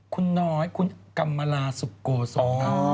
คุณน้อยคุณกรรมลาสุโกศล